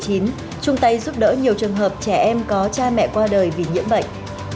chương trình tình thương cho em hậu covid một mươi chín chung tay giúp đỡ nhiều trường hợp trẻ em có cha mẹ qua đời vì nhiễm bệnh